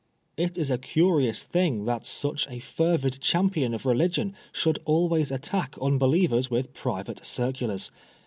It is a curious thing that such a fervid champion of religion should always attack unbelievers with private circulars.